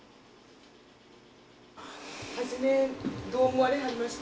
初めどう思われはりました？